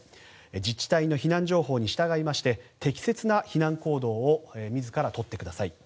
自治体の避難情報に従いまして適切な避難行動を自らとってください。